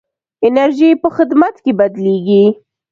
انرژي په خدمت کې بدلېږي.